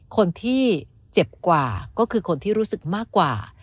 คนที่เจ็บกว่าก็คือคนที่รู้สึกมากกว่า